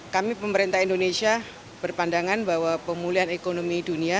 kami pemerintah indonesia berpandangan bahwa pemulihan ekonomi dunia